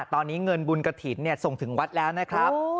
ตอนนี้เงินบุญกระถิ่นส่งถึงวัดแล้วนะครับ